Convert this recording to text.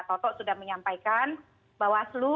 toto sudah menyampaikan bawas lo